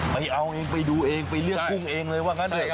ไปเอาเองไปดูเองไปเลือกกุ้งเองเลยหรือไงครับ